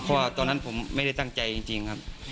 เพราะว่าตอนนั้นผมไม่ได้ตั้งใจจริงครับ